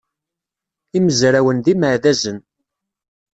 Imezrawen d imeɛdazen.